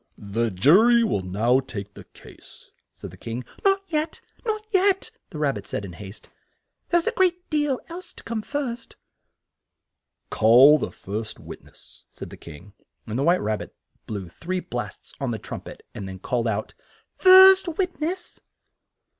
"The ju ry will now take the case," said the King. "Not yet, not yet!" the Rab bit said in haste. "There is a great deal else to come first." "Call the first wit ness," said the King, and the White Rab bit blew three blasts on the trum pet, and called out, "First wit ness."